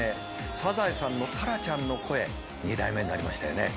『サザエさん』のタラちゃんの声二代目になりましたよね。